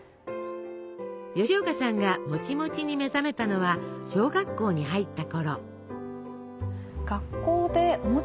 吉岡さんがもちもちに目覚めたのは小学校に入ったころ。